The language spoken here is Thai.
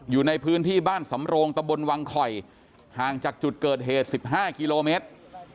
อยู่ในพื้นที่บ้านสำโรงตะบนวังคอยห่างจากจุดเกิดเหตุ๑๕กิโลเมตร